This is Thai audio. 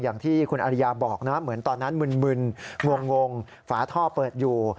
อย่างที่คุณอริยาบอกนะเหมือนตอนนั้นมึนงงฝาท่อเปิดอยู่